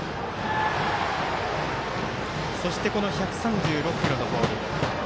そして、１３６キロのボール。